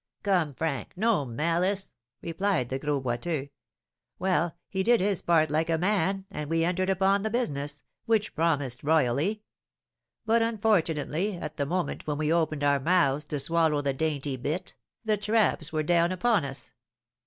"Come, Frank, no malice!" replied the Gros Boiteux. "Well, he did his part like a man, and we entered upon the business, which promised royally; but, unfortunately, at the moment when we opened our mouths to swallow the dainty bit, the 'traps' were down upon us.